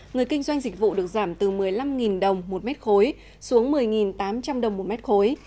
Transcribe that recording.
người kinh doanh dịch vụ được giảm từ một mươi năm đồng một mét khối xuống một mươi tám trăm linh đồng một mét khối